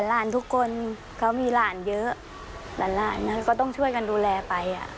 หลานทุกคนเขามีหลานเยอะหลานก็ต้องช่วยกันดูแลไปอ่ะ